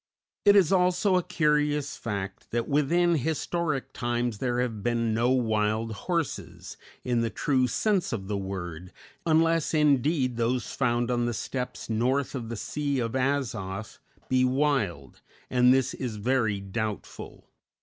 It is also a curious fact that within historic times there have been no wild horses, in the true sense of the word, unless indeed those found on the steppes north of the Sea of Azof be wild, and this is very doubtful.